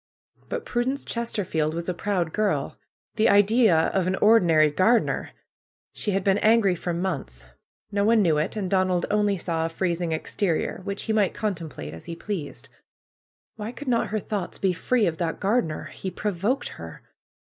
But Prudence Chesterfield was a proud girl. The idea of an ordinary gardener ! She had been angry for months. No one knew it. And Donald only saw a freezing exterior, which he might contemplate as he pleased. Wliy could not her thoughts be free of that gardener? He provoked her.